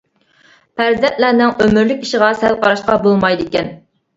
پەرزەنتلەرنىڭ ئۆمۈرلۈك ئىشىغا سەل قاراشقا بولمايدىكەن.